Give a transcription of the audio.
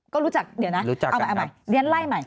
ครับรู้จัก